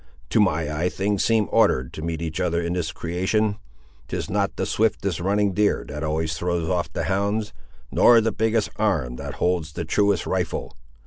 To my eye things seem ordered to meet each other in this creation. 'Tis not the swiftest running deer that always throws off the hounds, nor the biggest arm that holds the truest rifle.